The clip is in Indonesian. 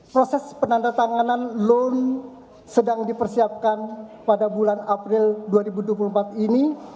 proses penandatanganan loan sedang dipersiapkan pada bulan april dua ribu dua puluh empat ini